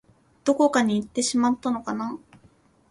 どこかにいってしまったのかな